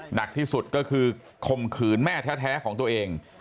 หนักที่สุดก็คือคมขืนแม่แท้ของตัวเอง